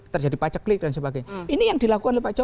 terjadi paceklik dan sebagainya